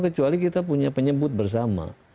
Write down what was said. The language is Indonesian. kecuali kita punya penyebut bersama